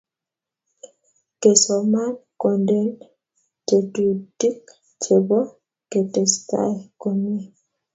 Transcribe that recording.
Kesoman kondeni tetutik chebo ketestai komie